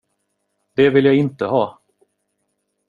Det vill jag inte ha!